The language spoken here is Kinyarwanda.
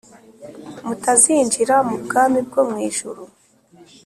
mutazinjira mu bwami bwo mu ijuru.